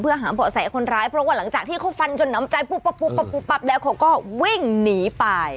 เพื่อหาเบาะแสคนร้ายเพราะว่าหลังจากที่เขาฟันจนน้ำใจปุ๊บปั๊บแล้วเขาก็วิ่งหนีไป